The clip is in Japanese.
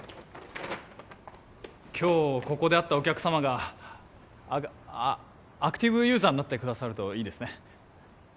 今日ここで会ったお客様がアグアアクティブユーザーになってくださるといいですね